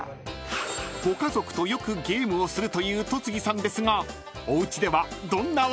［ご家族とよくゲームをするという戸次さんですが］